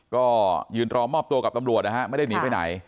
ก็ยืนรอมอบตัวกับตำรวจนะฮะไม่ได้หนีไปไหน